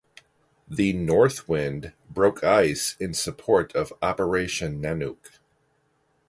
The "Northwind" broke ice in support of Operation Nanook.